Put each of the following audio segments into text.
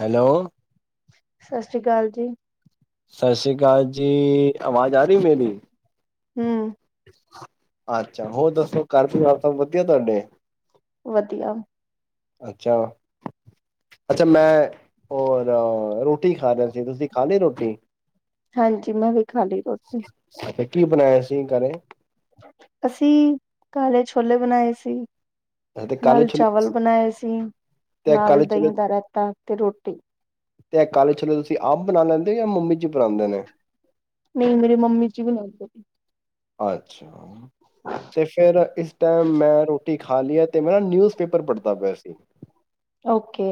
Hello, ਸਤਿ ਸ੍ਰੀ ਅਕਾਲ ਜੀ, ਸਤਿ ਸ਼੍ਰੀ ਅਕਾਲ ਜੀ ਆਵਾਜ਼ ਆ ਰਹੀ ਮੇਰੀ, ਹੂੰ, ਅੱਛਾ ਹੋਰ ਦੱਸੋ ਕਰਫਿਊ ਲਾ ਤਾ ਵਧੀਆ ਤੁਹਾਡੇ ਵਧੀਆ, ਅੱਛਾ-ਅੱਛਾ ਮੈਂ ਔਰ ਰੋਟੀ, ਰੋਟੀ ਖਾ ਰਿਹਾ ਸੀ ਤੁਸੀਂ ਖਾ ਲੀ ਰੋਟੀ ਜੀ, ਹਾਂਜੀ ਮੈਂ ਵੀ ਖਾ ਲਈ ਰੋਟੀ, ਅੱਛਾ, ਕੀ ਬਣਾਇਆ ਸੀ ਘਰੇ? ਅਸੀਂ ਕਾਲੇ ਛੋਲੇ ਬਣਾਏ ਸੀ। ਅੱਛਾ ਤੇ ਕਾਲੇ ਨਾਲ ਚਾਵਲ ਛੋਲੇ ਬਣਾਏ ਸੀ ਤੇ ਨਾਲ ਕਾਲੇ ਛੋਲੇ ਦਹੀਂ ਦਾ ਰਾਇਤਾ ਤੇ ਰੋਟੀ ਤੇ ਇਹ ਕਾਲੇ ਛੋਲੇ ਤੁਸੀਂ ਆਪ ਬਣਾ ਲੈਂਦੇ ਹੋ ਜਾਂ ਮੰਮੀ ਜੀ ਬਣਾਦੇ ਨੇ, ਨਹੀਂ ਮੇਰੇ ਮੰਮੀ ਜੀ ਬਣਾਦੇ, ਅੱਛਾ, ਤੇ ਫੇਰ ਇਸ ਟਾਈਮ ਮੈਂ ਰੋ ਟੀ ਖਾ ਲੀ ਏ ਤੇ ਮੈਂ ਨਾ ਨਿਊਜ਼ ਪੇਪਰ ਪੜ੍ਹਦਾ ਪਇਆ ਸੀ। ਓਕੇ,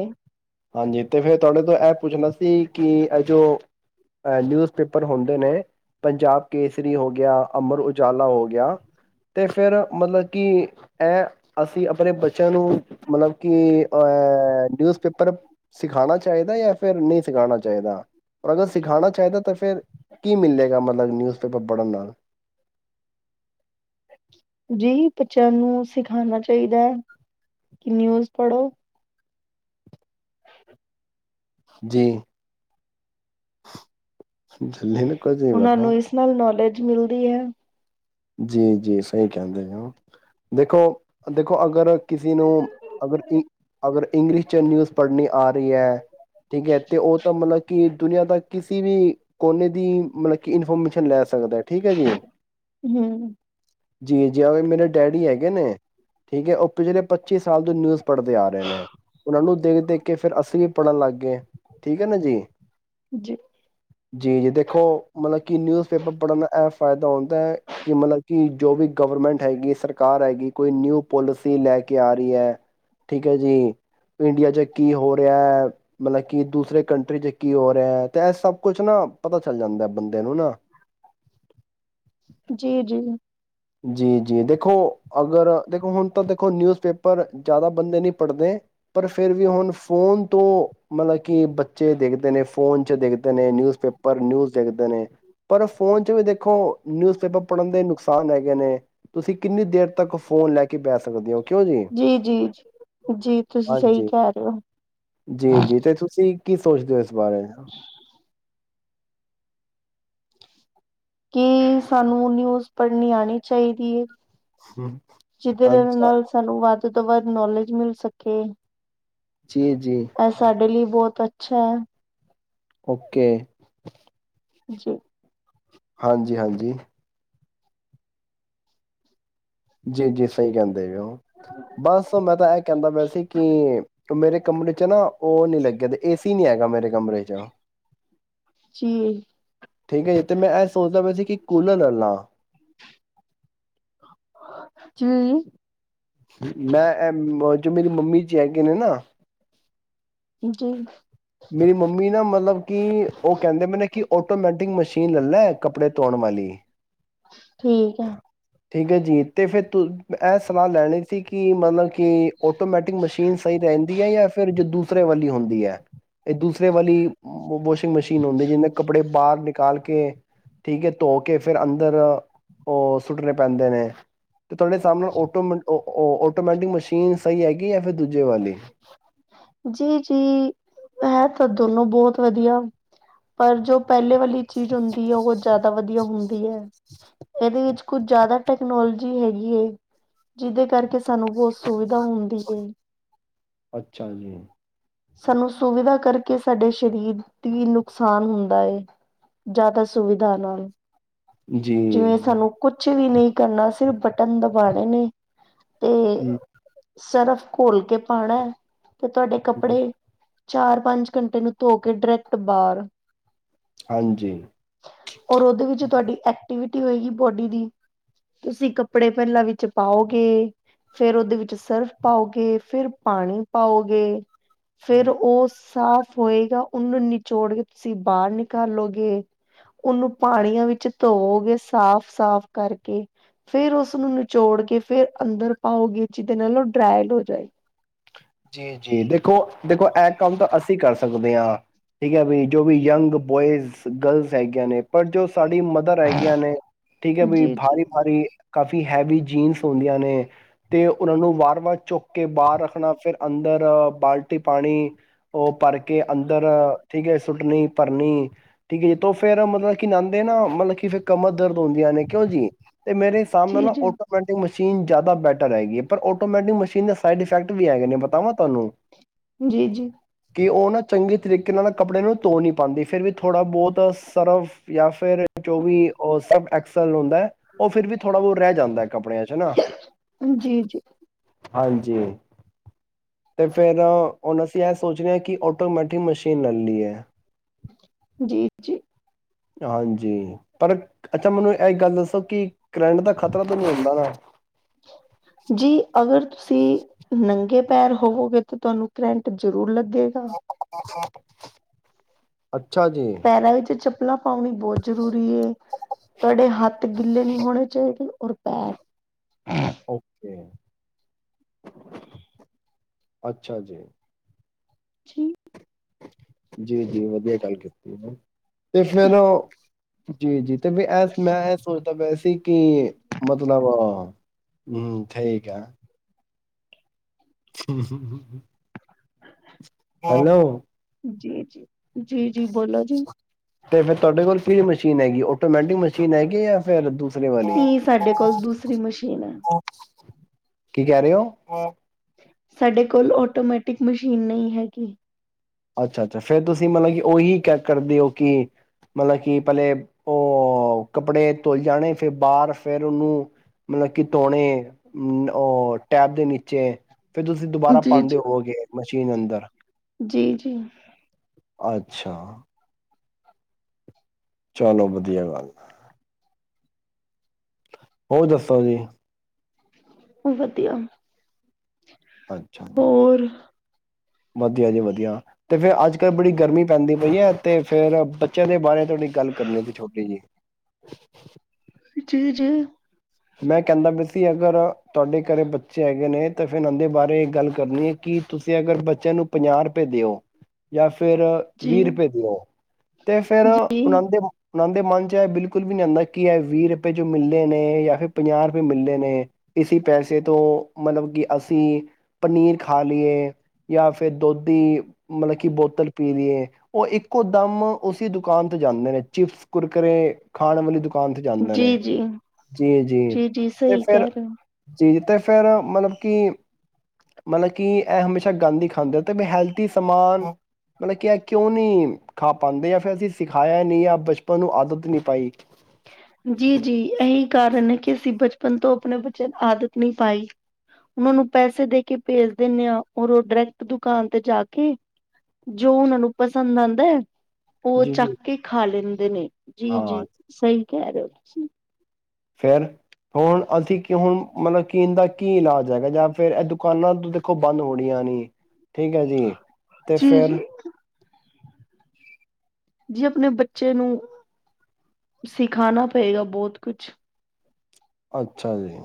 ਹਾਂਜੀ ਤੇ ਫਿਰ ਤੁਹਾਡੇ ਤੋਂ ਇਹ ਪੁੱਛਣਾ ਸੀ ਕਿ ਇਹ ਜੋ ਨਿਊਜ਼ ਪੇਪਰ ਹੁੰਦੇ ਨੇ ਪੰਜਾਬ ਕੇਸਰੀ ਹੋ ਗਿਆ। ਅਮਰ ਉਜਾਲਾ ਹੋ ਗਿਆ ਅਤੇ ਫਿਰ ਮਤਲਬ ਕਿ ਇਹ ਅਸੀਂ ਆਪਣੇ ਬੱਚਿਆਂ ਨੂੰ ਮਤਲਬ ਕਿ ਐ ਨਿਊਜ਼ ਪੇਪਰ ਸਿਖਾਣਾ ਚਾਹੀਦਾ ਜਾਂ ਫਿਰ ਨਹੀਂ ਸਿਖਾਣਾ ਚਾਹੀਦਾ ਔਰ ਅਗਰ ਸਿਖਾਣਾ ਚਾਹੀਦਾ ਤਾਂ ਫਿਰ ਕੀ ਮਿਲੇਗਾ ਮਤਲਬ ਨਿਊਜ਼ ਪੇਪਰ ਪੜ੍ਹਨ ਨਾਲ ਜੀ ਬੱਚਿਆਂ ਨੂੰ ਸਿਖਾਣਾ ਚਾਹੀਦਾ ਕਿ ਨਿਊਜ਼ ਪੜ੍ਹੋ। ਜੀ ਜੱਲੇ ਨਾ। ਉਹਨਾਂ ਨੂੰ ਇਸ ਨਾਲ ਨੌਲੇਜ ਮਿਲਦੀ ਹੈ। ਜੀ, ਜੀ। ਸਹੀ ਕਹਿੰਦੇ ਹੋ ਦੇਖੋ ਦੇਖੋ ਅਗਰ ਕਿਸੇ ਨੂੰ ਅਗਰ ਇ ਅਗਰ ਇੰਗਲਿਸ਼ 'ਚ ਨਿਊਜ਼ ਪੜ੍ਹਨੀ ਆ ਰਹੀ ਹੈ, ਠੀਕ ਹੈ, ਅਤੇ ਉਹ ਤਾਂ ਮਤਲਬ ਕਿ ਦੁਨੀਆਂ ਦਾ ਕਿਸੇ ਵੀ ਕੋਨੇ ਦੀ ਮਤਲਬ ਕਿ ਇਨਫੋਰਮੇਸ਼ਨ ਲੈ ਸਕਦਾ ਠੀਕ ਹੈ ਜੀ। ਹੂੰ। ਜੀ-ਜੀ ਮੇਰੇ ਡੈਡੀ ਹੈਗੇ ਨੇ ਠੀਕ ਹੈ ਉਹ ਪਿਛਲੇ ਪੱਚੀ ਸਾਲ ਤੋਂ ਨਿਊਜ਼ ਪੜ੍ਹਦੇ ਆ ਰਹੇ ਨੇ ਉਹਨਾਂ ਨੂੰ ਦੇਖ ਦੇਖ ਕੇ ਫਿਰ ਅਸੀਂ ਵੀ ਪੜ੍ਹਨ ਲੱਗ ਗਏ, ਠੀਕ ਹੈ ਨਾ ਜੀ ਜੀ-ਜੀ-ਜੀ ਵੀ ਦੇਖੋ ਮਤਲਬ ਕਿ ਨਿਊਜ਼ ਪੇਪਰ ਪੜ੍ਹਨਾ ਐ। ਫਾਇਦਾ ਹੁੰਦਾ ਹੈ। ਕਿ ਮਤਲਬ ਕਿ ਜੋ ਵੀ ਗਵਰਮੈਂਟ ਹੈਗੀ ਸਰਕਾਰ ਹੈਗੀ ਕੋਈ ਨਿਊ ਪੋਲਿਸੀ ਲੈ ਕੇ ਆ ਰਹੀ ਹੈ, ਠੀਕ ਹੈ ਜੀ ਇੰਡੀਆ ਚ ਕੀ ਹੋ ਰਿਹਾ ਹੈ, ਮਤਲਬ ਕੀ ਦੂਸਰੇ ਕੰਟਰੀ ਚ ਕੀ ਹੋ ਰਿਹਾ ਤੇ ਇਹ ਸਭ ਕੁਛ ਨਾ ਪਤਾ ਚੱਲ ਜਾਂਦਾ ਬੰਦੇ ਨੂੰ ਨਾ। ਜੀ-ਜੀ। ਜੀ, ਜੀ ਦੇਖੋ ਅਗਰ ਦੇਖੋ ਹੁਣ ਤਾਂ ਦੇਖੋ ਨਿਊਜ਼ ਪੇਪਰ ਜ਼ਿਆਦਾ ਬੰਦੇ ਨਹੀਂ ਪੜ੍ਹਦੇ ਪਰ ਫੇਰ ਵੀ ਹੁਣ ਫੋਨ ਤੋਂ ਮਤਲਬ ਕਿ ਬੱਚੇ ਦੇਖਦੇ ਨੇ ਫੋਨ ਦੇਖਦੇ ਨੇ ਨਿਊਜ਼ ਪੇਪਰ ਨਿਊਜ਼ ਦੇਖਦੇ ਨੇ ਪਰ ਫੋਨ ਵੀ ਦੇਖੋ ਨਿਊਜ਼ ਪੇਪਰ ਪੜ੍ਹਨ ਦੇ ਨੁਕਸਾਨ ਹੈ। ਨੇ ਤੁਸੀਂ ਕਿੰਨੀ ਦੇਰ ਤੱਕ ਫੋਨ ਲੈ ਕੇ ਬੈ ਸਕ ਜੀ-ਜੀ-ਜੀ-ਜੀ, ਤੁਸੀਂ ਸਹੀ ਹਾਂਜੀ ਕਹਿ ਰਹੇ ਹੋ। ਜੀ-ਜੀ ਤੇ ਤੁਸੀਂ ਕੀ ਸੋਚਦੇ ਹੋ? ਬਾਰੇ? ਕੀ ਸਾਨੂੰ ਨਿਊਜ਼ ਪੜ੍ਹਨੀ ਆਣੀ ਚਾਹੀਦੀ ਹੈ? ਹਮ, ਜਿਦ੍ਹੇ ਅੱਛਾ ਨਾਲ ਸਾਨੂੰ ਵੱਧ ਉਹ ਤੋਂ ਵੱਧ ਨੌਲੇਜ ਮਿਲ ਸਕੇ ਜੀ-ਜੀ ਇਹ ਸਾਡੇ ਲਈ ਬਹੁਤ ਅੱਛਾ। ਓਕੇ। ਜੀ। ਹਾਂਜੀ, ਹਾਂਜੀ। ਜੀ, ਜੀ। ਸਹੀ ਕਹਿੰਦੇ ਦੇ ਔ। ਬਸ ਮੈਂ ਤਾਂ ਇਹ ਕਹਿੰਦਾ ਪਿਆ ਸੀ ਕਿ ਮੇਰੇ ਕਮਰੇ ਚ ਨਾ ਉਹ ਨੀ ਲੱਗੇ ਤੇ ਏ ਸੀ ਨੀ ਹੈਗਾ ਮੇਰੇ ਕਮਰੇ ਚ ਜੀ। ਠੀਕ ਹੈ ਜੀ ਤੇ ਮੈਂ ਐ ਸੋਚਦਾ ਪਏ ਸੀ ਕਿ ਕੂਲਰ ਲੈਲਾ ਹੂੰ। ਮੈਂ ਇਹ ਜੋ ਮੇਰੀ ਮੰਮੀ ਜੀ ਹੈਗੇ ਨੇ ਨਾ ਜੀ। ਮੇਰੀ ਮੰਮੀ ਨਾ ਮਤਲਬ ਕਿ ਉਹ ਕਹਿੰਦੇ ਮੈਨੇ ਕਿ ਆਟੋਮੈਟਿਕ ਮਸ਼ੀਨ ਲੈ ਲਾ ਕੱਪੜੇ ਧੋਣ ਵਾਲੀ। ਠੀਕ ਹੈ। ਠੀਕ ਹੈ ਜੀ ਤੇ ਫੇਰ ਤੇ ਇਹ ਸਲਾਹ ਲੈਣੇ ਕਿ ਮਤਲਬ ਕਿ ਆਟੋਮੈਟਿਕ ਮਸ਼ੀਨ ਸਹੀ ਰਹਿੰਦੀ ਹੈ ਜਾਂ ਫਿਰ ਜੋ ਦੂਸ ਰੇ ਵਾਲੀ ਹੁੰਦੀ ਹੈ। ਇਹ ਦੂਸਰੇ ਵਾਲੀ ਵਾਸ਼ਿੰਗ ਮਸ਼ੀਨ ਹੁੰਦੀ, ਜਿਹੜੇ ਕੱਪੜੇ ਬਾਹਰ ਨਿਕਾਲ ਕੇ ਕੇ ਠੀਕ ਹੈ ਧੋ ਕੇ ਫੇਰ ਅੰਦਰ ਉਹ ਸੁੱਟਣੇ ਪੈਂਦੇ ਨੇ, ਤੇ ਤੁਹਾਡੇ ਸਾਹਮਣੇ ਆਟੋਮੈਟਿਕ ਮਸ਼ੀਨ ਸਹੀ ਹੈਗੀ ਏ ਫਿਰ। ਦੂਜੇ ਵਾਲੀ ਜੀ, ਜੀ। ਹੈ ਤਾਂ ਦੋਨੋ ਬਹੁਤ ਵਧੀਆ, ਪਰ ਜੋ ਪਹਿਲੇ ਵਾਲੀ ਚੀਜ਼ ਹੁੰਦੀ ਹੈ, ਉਹ ਜ਼ਿਆਦਾ ਵਧੀਆ ਹੁੰਦੀ ਹੈ, ਇਹਦੇ ਵਿੱਚ ਕੁੱਝ ਜ਼ਿਆਦਾ ਟੈਕਨੋਲੋਜੀ ਹੈਗੀ ਏ, ਜਿਹਦੇ ਕਰਕੇ ਸਾਨੂੰ ਬਹੁਤ ਸੁਵਿਧਾ ਤਾਂ ਹੁੰਦੀ ਏ। ਅੱਛਾ ਜੀ। ਸਾਨੂੰ ਸੁਵਿਧਾ ਕਰਕੇ ਸਾਡੇ ਸਰੀਰ ਦੀ ਨੁਕਸਾਨ ਹੁੰਦਾ ਹੈ, ਜ਼ਿਆਦਾ ਸੁਵਿਧਾ ਨਾਲ। ਜੀ ਜਿਵੇਂ ਸਾਨੂੰ ਕੁਛ ਵੀ ਨਹੀਂ ਕੀ ਕਰਨਾ, ਸਿਰਫ ਬਟਨ ਦਬਾਣੇ ਨੇ ਤੇ ਹੂੰ, ਸਿਰਫ ਘੋਲ ਕੇ ਪਾਣਾ ਤੇ ਤੁਹਾਡੇ ਹੂੰ। ਕੱਪੜੇ ਚਾਰ ਪੰਜ ਘੰਟੇ ਨੂੰ ਧੋ ਕੇ ਡਰੈਕਟ ਬਾਹਰ ਹਾਂਜੀ ਔਰ ਉਹਦੇ ਵਿੱਚ ਤੁਹਾਡੀ ਐਕਟੀਵਿਟ ਟੁੱਟੀ ਹੋਏਗੀ ਬੋਡੀ ਦੀ, ਤੁਸੀਂ ਕੱਪੜੇ ਪਹਿਲਾਂ ਵਿੱਚ ਪਾਉਗੇ, ਫੇਰ ਉਹਦੇ ਵਿੱਚ ਸਰਫ ਪਾਓਗੇ ਫਿਰ ਪਾਣੀ ਪਾਉਗੇ। ਫੇਰ ਓਸ ਸਾਫ ਹੋਏਗਾ ਉਹਨੂੰ ਨਿਚੋੜ ਕੇ ਤੁਸੀਂ ਬਾਹਰ ਨਿਕਾਲੋਗੇ, ਉਹਨੂੰ ਪਾਣੀਆਂ ਵਿੱਚ ਧੋਵੋਗੇ ਸਾਫ਼- ਸਾਫ਼ ਕਰਕੇ, ਫੇਰ ਉਸਨੂੰ ਨਿਚੋੜ ਕੇ ਫੇਰ ਅੰਦਰ ਪਾਉਗੇ, ਜਿਹਦੇ ਨਾਲ ਉਹ ਡਰਾਇਡ ਹੋ ਜਾਏਗੀ। ਜੀ- ਜੀ ਦੇਖੋ- ਦੇਖੋ, ਇਹ ਕੰਮ ਤਾਂ ਅਸੀਂ ਕਰ ਸਕਦੇ ਹਾਂ, ਠੀਕ ਹੈ ਵੀ ਜੋ ਵੀ ਜੰਗ ਬੋਇਜ਼, ਗਰਲਜ਼ ਹੈਗੀਆਂ ਨੇ ਪਰ ਜੋ ਸਾਡੀ ਮਦਰ ਹੈਗੀਆਂ ਨੇ, ਠੀਕ ਹੈ ਵੀ ਜੀ ਜੀ ਭਾਰੀ- ਭਾਰੀ ਕਾਫੀ ਹੈਵੀ ਜੀਨਸ ਹੁੰਦੀਆਂ ਨੇ, ਤੇ ਉਹਨਾਂ ਨੂੰ ਵਾਰ- ਵਾਰ ਚੁੱਕ ਕੇ ਬਾਹਰ ਰੱਖਣਾ ਫਿਰ ਅੰਦਰ ਬਾਲਟੀ ਪਾਣੀ ਉਹ ਭਰ ਕੇ ਅੰਦਰ ਠੀਕ ਹੈ ਸੁੱਟਣੀ ਭਰਨੀ ਠੀਕ ਹੈ ਜੀ, ਤੇ ਫੇਰ ਮਤਲਬ ਕਿ ਨਾਂਦੇ ਨਾ ਮਤਲਬ ਕਿ ਫਿਰ ਕਮਰ ਦਰਦ ਹੁੰਦੀਆਂ ਨੇ ਕਿਉਂ ਜੀ, ਤੇ ਮੇਰੇ ਹਿਸਾਬ ਨਾਲ ਜੀ ਨਾ ਜੀ ਆਟੋਮੈਟਿਕ ਮਸ਼ੀਨ ਮਸ਼ੀਨ ਜ਼ਿਆਦਾ ਬੈਟਰ ਹੈਗੀ ਹੈ, ਪਰ ਆਟੋਮੈਟਿਕ ਮਸ਼ੀਨ ਦੇ ਸਾਈਡ ਇਫੈਕਟ ਵੀ ਹੈਗੇ ਨੇ। ਪਾਵਾਂ ਤੁਹਾਨੂੰ। ਜੀ ਜੀ। ਕਿ ਉਹ ਨਾ ਚੰਗੇ ਤਰੀਕੇ ਨਾਲ ਕੱਪੜੇ ਨੂੰ ਧੋ ਨੀ ਪਾਂਦੀ, ਫਿਰ ਵੀ ਥੋੜ੍ਹਾ ਬਹੁਤ ਸਰਫ ਜਾਂ ਫੇਰ ਚੌਵੀ ਉਹ ਸਭ ਐਕਸਲ ਹੁ ਹੈ, ਉਹ ਫਿਰ ਵੀ ਥੋੜ੍ਹਾ ਬਹੁਤ ਰਹਿ ਜਾ ਜਾਂਦਾ ਕੱਪੜਿਆਂ ਚੋਂ ਨਾ ਜੀ ਜੀ ਹਾਂਜੀ। ਤੇ ਫੇਰ ਹੁਣ ਅਸੀਂ ਇਹ ਸੋਚ ਰਹੇ ਹਾਂ, ਕਿ ਆਟੋਮੈਟਿਕ ਮਸ਼ੀਨ ਲੈ ਲਈਏ। ਜੀ, ਜੀ। ਹਾਂਜੀ ਪਰ ਅੱਛਾ ਮੈਨੂੰ ਇਹ ਗੱਲ ਦੱਸੋ ਕਿ ਕਰੰਟ ਦਾ ਖ਼ਤਰਾ ਤੁਹਾਨੂੰ ਆਉਦਾ ਵਾ ਜੀ ਅਗਰ ਤੁਸੀਂ ਨੰ ਨੰਗੇ ਪੈਰ ਹੋਵੋਗੇ ਤੇ ਤੁਹਾਨੂੰ ਕਰੰਟ ਜ਼ਰੂਰ ਲੱ ਲੱਗੇਗਾ। ਅੱਛਾ ਜੀ, ਪੈਰਾਂ ਵਿੱਚ ਚੱਪਲਾਂ ਪਾਉਣੀ ਬਹੁਤ ਜ਼ਰੂਰੀ ਤੁਹਾਡੇ ਹੱਥ ਗਿੱਲੇ ਨਹੀਂ ਹੋਣੇ ਚਾਹੀਦੇ ਔਰ ਪੈਰ ਓਕੇ ਅੱਛਾ ਜੀ, ਠੀਕ, ਜੀ-ਜੀ ਵਧੀਆ ਗੱਲ ਕੀਤੀ ਹੈ। ਇਸ ਲਈ ਓ ਜੀ-ਜੀ ਤੇ ਵੀ ਮੈਂ ਇਹ ਸੋਚਦਾ ਪਿਆ ਸੀ, ਕਿ ਮਤਲਬ ਹੂੰ ਠੀਕ ਹੈ। ਹੈਲੋ, ਜੀ ਜੀ ਜੀ ਜੀ ਬੋਲੋ ਜੀ ਤੇ ਫੇਿਰ ਤੁਹਾਡੇ ਕੋਲ ਕੇਹੜੀ ਮਸ਼ੀਨ ਹੈਗੀ ਆਟੋਮੈਟਿਕ ਮਸ਼ੀਨ ਹੈਗੀ ਜਾਂ ਫਿਰ ਦੂ ਕੀ ਸਾਡੇ ਕੋਲ ਦੂਸਰੀ ਮਸ਼ੀਨ ਹੈ ਕੀ ਕਹਿ ਰਹੇ ਹੋ ਸਾਡੇ ਕੋਲ ਆਟੋਮੈਟਿਕ ਮਸ਼ੀਨ ਨਹੀਂ ਹੈਗੀ ਅੱਛਾ ਅੱਛਾ ਫੇਰ ਤੁਸੀਂ ਮਤਲਬ ਕਿ ਉਹੀ ਕ ਕਰਦੇ ਹੋ ਕਿ ਮਤਲਬ ਕਿ ਪਹਿਲੇ ਉਹ ਕੱਪੜੇ ਧੋਈ ਹੈ ਜਾਣੇ ਫਿਰ ਬਾਹਰ ਫੇਿਰ ਉਹਨੂੰ ਮਤਲਬ ਕਿ ਧੋਣੇ ਉਹ ਟੈਪ ਦੇ ਨੀਚੇ ਫੇਰ ਤੁਸੀਂ ਦੁਬਾਰਾ ਜੀ ਪਾਉਂਦੇ ਜੀ ਹੋੋਗੇ ਜੀਨ ਅੰਦਰ ਜੀ ਜੀ ਅੱਛਾ ਚਲੋ ਵਧੀਆ ਗੱਲ ਹੋਰ ਦੱਸੋ ਜੀ ਵਧੀਆ ਅੱਛਾ ਜ ਹੋਰ ਵਧੀਆ ਜੀ ਵਧੀਆ ਤੇ ਫੇਿਰ ਅੱਜ ਕੱਲ੍ਹ ਬੜੀ ਗਰਮੀ ਪੈਂਦੀ ਪਈ ਹੈ ਤੇ ਫੇਿਰ ਬੱਚਿਆਂ ਦੇ ਬਾਰੇ ਤੁਹਾਡੀ ਗੱਲ ਕਰਨੀ ਸੀ ਛੋਟੀ ਜੀ ਜੀ ਜੀ ਮੈਂ ਕਹਿੰਦਾ ਵੀਸੀ ਅਗਰ ਤੁਹਾਡੇ ਘਰੇ ਬੱਚੇ ਹੈਗੇ ਨੇ ਤਾਂ ਫਿਰ ਉਹਦੇ ਬਾਰੇ ਗੱਲ ਕਰਨੀ ਹੈ ਕਿ ਤੁਸੀਂ ਅਗਰ ਬੱਚਿਆਂ ਨੂੰ ਪੰਜਾਹ ਰੁਪਏ ਦਿਓ ਜਾਂ ਫੇਿਰ ਜੀ ਵੀਹ ਰੁਪਏ ਦਿਓ ਤੇ ਫੇਿਰ ਜੀ ਜੀ ਉਹਨਾਂ ਦੇ ਉਹਨਾਂ ਦੇ ਮਨ ਚ ਇਹ ਬਿਲਕੁਲ ਵੀ ਨੀ ਆਉਂਦਾ ਕੀ ਹੈ ਵੀਹ ਰੁਪਏ ਚ ਮਿਲਦੇ ਨੇ ਜਾਂ ਫਿਰ ਪੰਜਾਹ ਰੁਪਏ ਮਿਲਲੇ ਨੇ ਇਸ ਪੈਸੇ ਤੋਂ ਮਤਲਬ ਕਿ ਅਸੀਂ ਪਨੀਰ ਖਾ ਲਈਏ ਜਾਂ ਫਿਰ ਦੁੱਧ ਦੀ ਮਤਲਬ ਕਿ ਬੋਤਲ ਪੀ ਲਈ ਏ ਉਹ ਇੱਕੋ ਦਮ ਉਸ ਦੁਕਾਨ ਤੇ ਜਾਂਦੇ ਨੇ ਚਿਪਸ ਕੁਰਕਰੇ ਖਾਣ ਵਾਲੀ ਦੁਕਾਨ ਤੇ ਜਾਂਦੇ ਨੇ ਜੀ ਜੀ ਜੀ ਜੀ ਤੇ ਸਹੀ ਫੇਿਰ ਕਹਿ ਰਹੇ ਹੋ ਜੀ ਜੀ ਤੇ ਫੇਿਰ ਮਤਲਬ ਕਿ ਮਤਲਬ ਕਿ ਇਹ ਹਮੇਸ਼ਾ ਗੰਦ ਹੀ ਖਾਂਦੇ ਤੇ ਵੀ ਹੈਲਥ ਸਮਾਨ ਮਤਲਬ ਕਿ ਇਹ ਕਿਉਂ ਨਹੀਂੀ ਖਾ ਪਾਉਂਦੇ ਆ ਫਿਰ ਅਸੀਂ ਸਿਖਾਇਆ ਨਹੀਂ ਆ ਬਚਪਨ ਨੂੰ ਆਦਤ ਨਹੀਂੀ ਪਾਈ ਜੀ ਜੀ ਇਹੀ ਕਾਰ ਉਹ ਨੇ ਕਿਹਾ ਅਸੀਂ ਬਚਪਨ ਤੋਂ ਆਪਣੇ ਬਚਨ ਆਦਤ ਨੀ ਪਾਈ ਉਹਨਾਂ ਨੂੰ ਪੈਸੇ ਦੇ ਕੇ ਭੇਜ ਦਿੰਦੇ ਆਾਂ ਔਰ ਉਹ ਡਾਇਰੈਕਟ ਦੁਕਾਨ ਤੇ ਜਾ ਕੇ ਜੋ ਉਹਨਾਂ ਨੂੰ ਪਸੰਦ ਆਉਂਦਾ ਹੈ ਉਹ ਜੀ, ਚੱਕ ਜੀ। ਕੇ ਖਾ ਲੈ [unintelligible] ਜੀ ਹਾਂ, ਜੀ ਸਹੀ [unintelligible] ਫਿਰ ਹੁਣ ਅਸੀਂ ਕਿਉਂ ਮਤਲਬ ਕੀਨ ਦਾ ਕੀ ਇਲਾਜ ਹੈਗਾ ਜਾਂ ਫਿਰ ਇਹ ਦੁਕਾਨਾਂ ਦੇਖੋ ਬੰਦ ਹੋਣੀਆਂ ਨਹੀਂ ਠੀਕ ਹ ਜੀ ਤੇ ਜੀ ਜੀ ਫਿਰ ਜੀ ਆਪਣੇ ਬੱਚੇ ਨੂੰ ਸਿਖਾਣਾ ਪਏਗਾ ਬਹੁਤ ਕੁਝ ਅੱਛਾ ਜੀ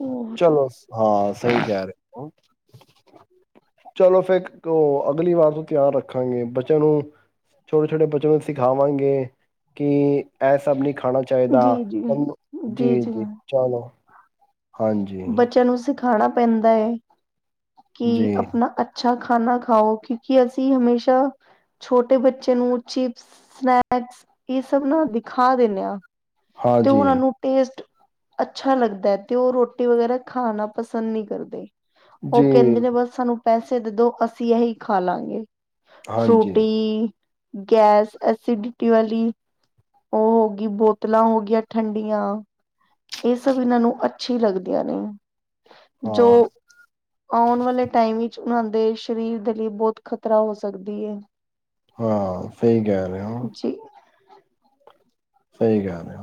ਹੋਰ ਚਲੋ ਹਾਂ ਸਹੀ ਕਹਿ ਰਹੇ ਚਲੋ ਫਿਰ ਉਹ ਅਗਲੀ ਵਾਰ ਤੋਂ ਧਿਆਨ ਰੱਖਾਂਗੇ ਬੱਚਿਆਂ ਨੂੰ ਛੋਟੇ ਛੋਟੇ ਬੱਚਿਆਂ ਨੂੰ ਸਿਖਾਵਾਂਗੇ ਕਿ ਇਹ ਸਭ ਨੀ ਖਾਣਾ ਚਾਹੀਦਾ ਜੀ ਜੀ ਨੂੰ ਜੀ ਜੀ ਚਲੋ ਹਾਂਜੀ ਖਾਣਾ ਪੈਂਦਾ ਕਿ ਜੀ ਆਪਣਾ ਅੱਛਾ ਅੱਛਾ ਖਾਣਾ ਖਾਓ ਕਿਉਂਕਿ ਅਸੀਂ ਹਮੇਸ਼ਾ ਛੋਟੇ ਬੱਚੇ ਨੂੰ ਚਿਪਸ ਸਨੈਕਸ ਇਹ ਸਭ ਨਾ ਦਿਖਾ ਦਿੰਦੇ ਹਾਂ ਤੇ ਹਾਂਜੀ, ਉਹਨਾਂ ਨੂੰ ਟੇਸਟ ਅੱਛਾ ਲੱਗਦਾ ਹੈ ਤੇ ਉਹ ਰੋਟੀ ਵਗੈਰਾ ਖਾਣਾ ਪਸੰਦ ਨਹੀਂੀ ਕਰਦੇ ਉਹ ਜੀ ਕਹਿੰਦੇ ਨੇ ਬਸ ਸਾਨੂੰ ਪੈਸੇ ਦੇਦੋ ਅਸੀਂ ਇਹੀ ਖਾ ਲਾਂਗੇ ਹਾਂਜੀ। ਫਰੂਟੀ ਗੈਸ ਐਸੀਿਡਿਟੀ ਵਾਲੀ ਉਹ ਹੋ ਗਈ ਬੋਤਲਾਂ ਹੋਗਆਂ ਠੰਡੀਆਂ ਇਹ ਸਭ ਇਹਨਾਂ ਨੂੰ ਅੱਛੀ ਲੱਗਦੀਆਂ ਨੇ ਜੋ ਹਾਂ, ਆਉਣ ਵਾਲੇ ਟਾਈਮ ਵਿੱਚ ਉਹਨਾਂ ਦੇ ਸਰੀਰ ਦੇ ਲਈ ਬਹੁਤ ਖਤਰਾ ਹੋ ਸਕਦੀ ਏ ਹਾਂ ਸਹੀ ਕਹਿ ਰਹੇ ਹੋ ਜੀ ਸਹੀ ਗੱਲ ਹੈ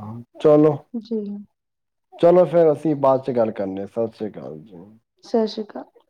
ਜੀ ਚਲੋ ਫੇਰ ਅਸੀਂ ਬਾਅਦ ਚ ਗੱਲ ਕਰਨੇ ਹਾਂ ਸਤਿ ਸ੍ਰੀ ਅਕਾਲ ਜੀ ਸਤਿ ਸ਼੍ਰੀ ਅਕਾਲ। ਹ